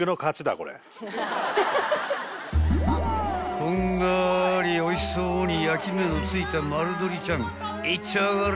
［こんがりおいしそうに焼き目のついた丸鶏ちゃんいっちょあがり］